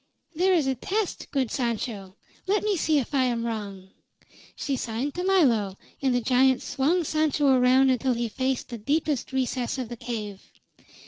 There is a test, good Sancho. Let me see if I am wrong!" She signed to Milo, and the giant swung Sancho around until he faced the deepest recess of the cave.